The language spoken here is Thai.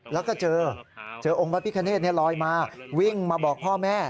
แล้วก็เจอเจอองค์พระพิคเนธลอยมาวิ่งมาบอกพ่อแม่